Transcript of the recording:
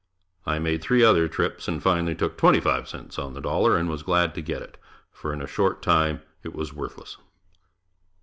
I made three other trips and finally took twenty five cents on the dollar and was glad to get it, for in a short time, it was worthless.